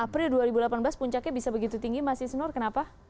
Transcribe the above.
april dua ribu delapan belas puncaknya bisa begitu tinggi mas isnur kenapa